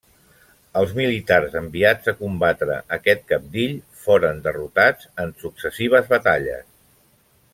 Els militars enviats a combatre aquest cabdill foren derrotats en successives batalles.